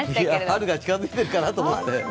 春が近づいてきてるのかなと思って。